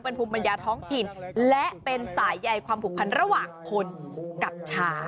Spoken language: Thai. เป็นภูมิปัญญาท้องถิ่นและเป็นสายใยความผูกพันระหว่างคนกับช้าง